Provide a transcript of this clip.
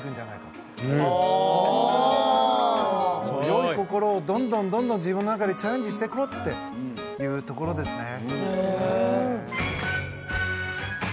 良い心をどんどんどんどん自分の中でチャレンジしていこうっていうところですね。